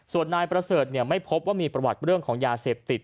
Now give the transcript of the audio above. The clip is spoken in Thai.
ส่วนนายประเสริฐไม่พบว่ามีประวัติเรื่องของยาเสพติด